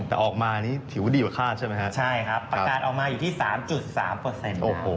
แต่ออกมานี่ถือว่าดีกว่าค่าใช่ไหมฮะใช่ครับประกาศออกมาอยู่ที่สามจุดสามเปอร์เซ็นต์โอ้โห